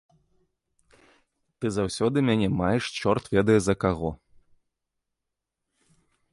Ты заўсёды мяне маеш чорт ведае за каго.